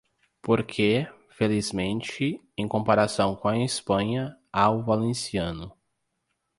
Porque, felizmente, em comparação com a Espanha, há o valenciano.